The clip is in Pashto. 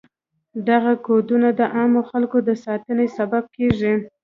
دغه کودونه د عامو خلکو د ساتنې سبب کیږي.